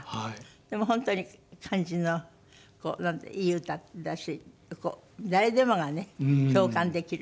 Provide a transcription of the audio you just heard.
でも本当に感じのいい歌だし誰でもがね共感できる。